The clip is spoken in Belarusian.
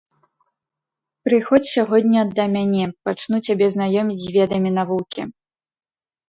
Прыходзь сягоння да мяне, пачну цябе знаёміць з ведамі навукі.